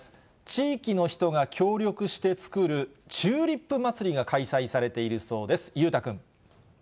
地域の人が協力して作るチューリップまつりが開催されているそうです。